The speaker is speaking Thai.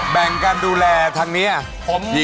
แบ่งการดูแลทางนี้